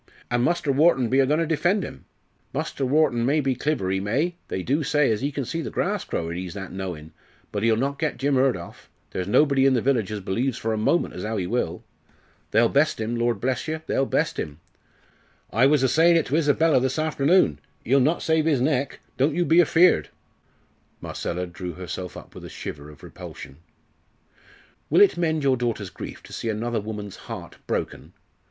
"An' Muster Wharton be a goin' to defend 'im. Muster Wharton may be cliver, ee may they do say as ee can see the grass growin', ee's that knowin' but ee'll not get Jim Hurd off; there's nobody in the village as b'lieves for a moment as 'ow he will. They'll best 'im. Lor' bless yer, they'll best 'im. I was a sayin' it to Isabella this afternoon ee'll not save 'is neck, don't you be afeared." Marcella drew herself up with a shiver of repulsion. "Will it mend your daughter's grief to see another woman's heart broken?